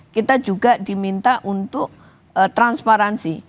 kita juga diminta untuk transparansi